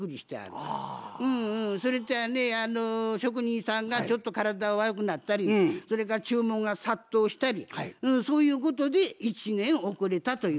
それとやね職人さんがちょっと体悪くなったりそれから注文が殺到したりそういうことで１年遅れたと言うとるわけです。